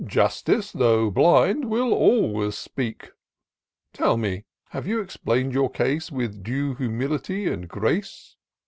Justice, though blind, will always speak. Tell me, have you explain'd your case. With due humility and grace